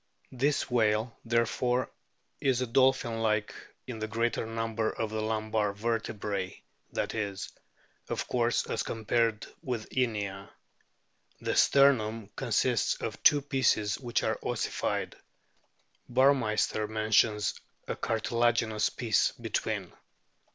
This whale, there fore, is dolphin like in the greater number of the lumbar vertebrae that is, of course, as compared with Inia. The sternum consists of two pieces which are ossified ; Burmeister mentions a cartilagin ous piece between.